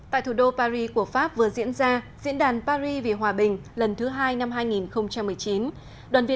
tại thủ đô paris của pháp vừa diễn ra diễn đàn paris vì hòa bình lần thứ hai năm hai nghìn một mươi chín